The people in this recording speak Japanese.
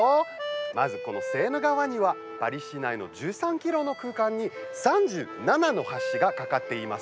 まず、セーヌ川には、パリ市内の１３ｋｍの空間に３７の橋が架かっています。